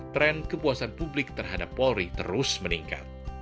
tren kepuasan publik terhadap polri terus meningkat